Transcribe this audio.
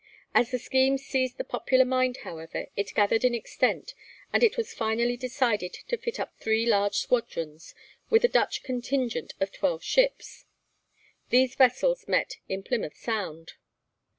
As the scheme seized the popular mind, however, it gathered in extent, and it was finally decided to fit up three large squadrons, with a Dutch contingent of twelve ships. These vessels met in Plymouth Sound.